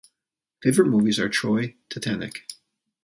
Favorite movies are Troy, Titanic.